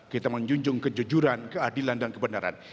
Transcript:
kita menjunjung kejujuran keadilan dan kebenaran